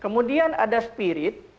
kemudian ada spirit